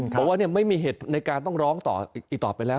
บอกว่าไม่มีเหตุในการต้องร้องอีกต่อไปแล้ว